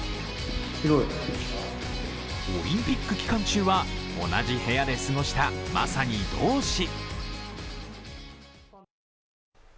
オリンピック期間中は同じ部屋で過ごした、まさに同志。